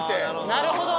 なるほど！